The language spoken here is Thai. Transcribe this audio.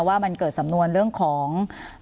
ว่ามันเกิดสำนวนเรื่องของ